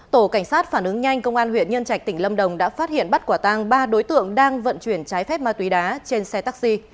tổ cảnh sát phản ứng nhanh công an huyện nhân trạch tỉnh lâm đồng đã phát hiện bắt quả tang ba đối tượng đang vận chuyển trái phép ma túy đá trên xe taxi